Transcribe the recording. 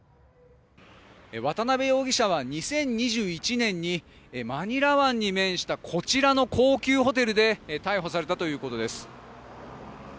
渡邉容疑者は２０２１年にマニラ湾に面したこちらの高級ホテルで逮捕されたということです。